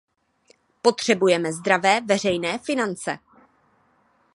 Potřebujeme zdravé veřejné finance.